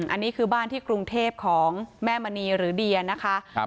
อันนี้คือบ้านที่กรุงเทพของแม่มณีหรือเดียนะคะ